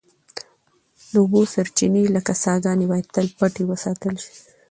د اوبو سرچینې لکه څاګانې باید تل پټې وساتل شي.